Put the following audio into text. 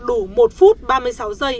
đủ một phút ba mươi sáu giây